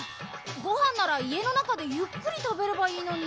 ごはんならいえのなかでゆっくりたべればいいのに。